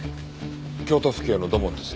京都府警の土門です。